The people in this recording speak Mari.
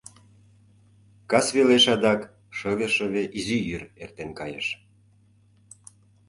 Кас велеш адак шыве-шыве изи йӱр эртен кайыш.